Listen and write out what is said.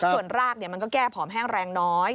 ส่วนรากมันก็แก้ผอมแห้งแรงน้อย